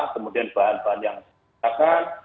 kemudian bahan bahan yang digunakan